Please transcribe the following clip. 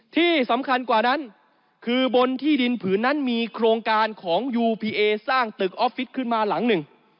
ที่สำคัญกว่านั้นคือบนที่ดินผืนนั้นมีโครงการของยูพีเอสร้างตึกออฟฟิศขึ้นมาหลังหนึ่ง